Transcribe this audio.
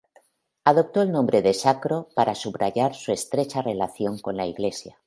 Adoptó el nombre de Sacro para subrayar su estrecha relación con la Iglesia.